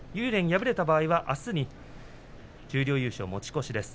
敗れた場合はあすに十両優勝を持ち越しです。